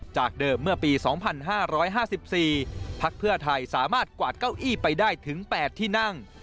จากเดิมเมื่อปี๒๕๕๔พักเพื่อไทยสามารถกวาดเก้าอี้ไปได้ถึง๘ที่นั่ง